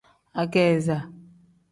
Ageeza.